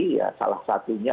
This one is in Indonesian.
ya salah satunya